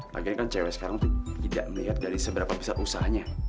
makanya kan cewek sekarang tidak melihat dari seberapa besar usahanya